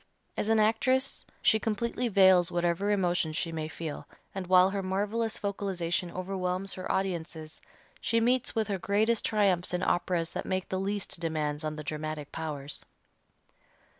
As an actress she completely veils whatever emotions she may feel, and while her marvelous vocalization overwhelms her audiences, she meets with her greatest triumphs in operas that make the least demands on the dramatic powers.